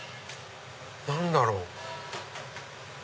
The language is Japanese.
何だろう。